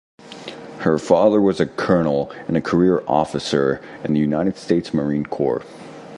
Her father was a colonel and career officer in the United States Marine Corps.